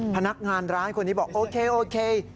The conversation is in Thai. พนักงานร้านคนนี้บอกโอเคโอเค